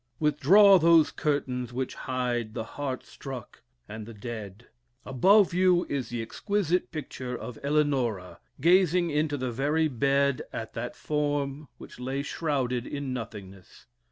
Withdraw those curtains which hide the heart struck and the dead. Above you is the exquisite picture of Eleanora, gazing into the very bed at that form which lay shrouded in nothingness.